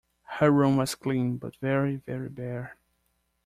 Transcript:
Her room was clean, but very, very bare.